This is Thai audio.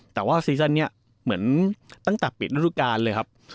แต่ว่าซีซั่นเนี่ยเหมือนตั้งแต่ปีศาสตร์ทุกการเลยครับ